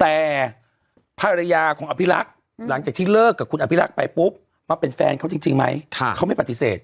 แต่ภรรยาของอภิรักษ์หลังจากที่เลิกกับคุณอภิรักษ์ไปปุ๊บมาเป็นแฟนเขาจริงไหมเขาไม่ปฏิเสธ